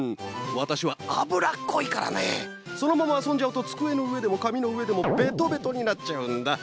わたしはあぶらっこいからねそのままあそんじゃうとつくえのうえでもかみのうえでもベトベトになっちゃうんだ。